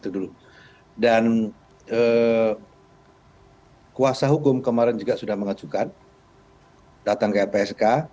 dan kuasa hukum kemarin juga sudah mengajukan datang ke lpsk